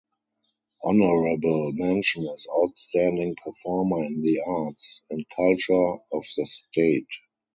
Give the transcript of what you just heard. Honorable mention as outstanding performer in the arts and culture of the state.